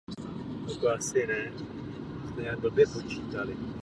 Studoval hudbu na Manhattan School of Music a později teologii na Houston Baptist University.